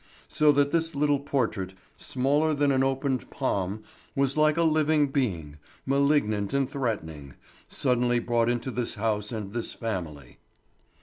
So that this little portrait, smaller than an opened palm, was like a living being, malignant and threatening, suddenly brought into this house and this family.